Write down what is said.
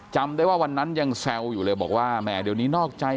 จำได้ว่าวันนั้นยังแซวอยู่เลยบอกว่าแหมเดี๋ยวนี้นอกใจ